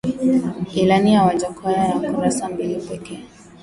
Ilani ya Wajackoya ni ya kurasa mbili pekee